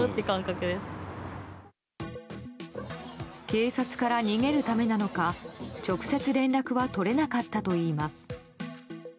警察から逃げるためなのか直接連絡はとれなかったといいます。